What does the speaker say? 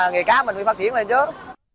nghề cá mình phải phát triển lên trước